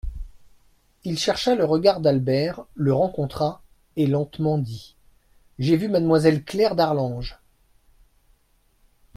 Il chercha le regard d'Albert, le rencontra, et lentement dit : J'ai vu mademoiselle Claire d'Arlange.